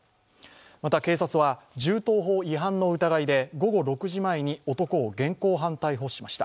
また、警察は銃刀法違反の疑いで午後６時前に男を現行犯逮捕しました。